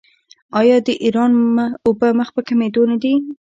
آیا د ایران اوبه مخ په کمیدو نه دي؟